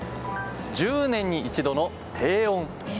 １０年に一度の低温。